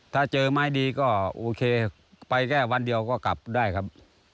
ถ้าเจอไม้ดีก็โอเคไปแค่วันเดียวก็กลับได้ครับ